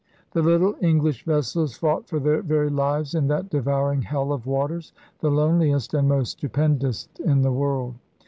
The little English vessels fought for their very lives in that devouring hell of waters, the loneliest and most stupendous in the world.